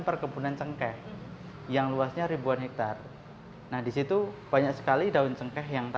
terima kasih terima kasih